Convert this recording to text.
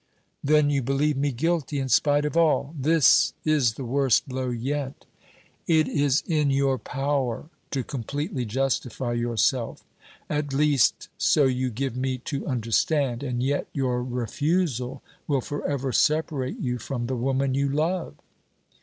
"Then you believe me guilty in spite of all! This is the worst blow yet!" "It is in your power to completely justify yourself; at least, so you give me to understand, and yet your refusal will forever separate you from the woman you love!"